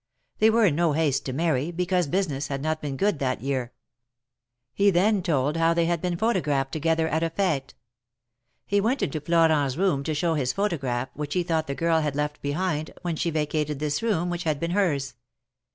They were in no haste to marry, because business had not been good that year. He then told how they had been photographed together at a fete. He went into Florent's room to show this photograph, which he thought the girl had left behind, when she vacated this room, which had been hers.